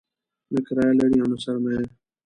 نه کرايه لري او نه سرمایه.